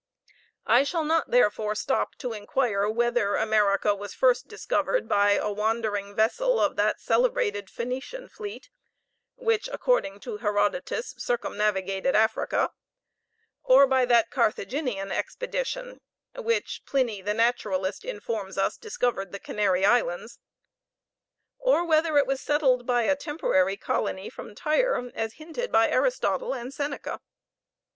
I shall not, therefore, stop to inquire whether America was first discovered by a wandering vessel of that celebrated Phoenician fleet, which, according to Herodotus, circumnavigated Africa; or by that Carthaginian expedition which, Pliny the naturalist informs us, discovered the Canary Islands; or whether it was settled by a temporary colony from Tyre, as hinted by Aristotle and Seneca.